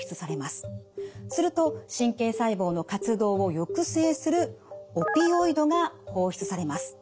すると神経細胞の活動を抑制するオピオイドが放出されます。